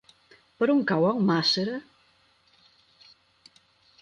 Per on cau Almàssera?